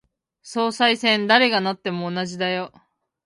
総裁選、誰がなっても同じだよ。